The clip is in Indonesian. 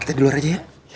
kita di luar aja ya